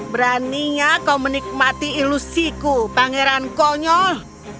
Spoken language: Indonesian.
beraninya kau menikmati ilusiku pangeran konyol